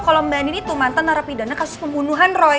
kalau mbak nini itu mantan narapidana kasus pembunuhan roy